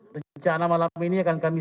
rencana malam ini akan kami